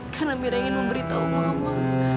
karena mira ingin memberitahu mama